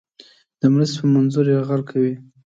د مرستې په منظور یرغل کوي.